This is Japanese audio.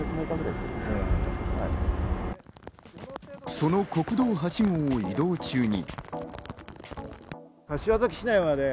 その国道８号を移動中に。